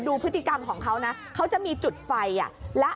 ทำไมพี่เขาต้องทำแบบนี้ด้วยก็ไม่รู้